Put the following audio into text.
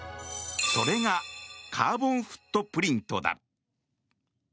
それがカーボンフットプリントだ。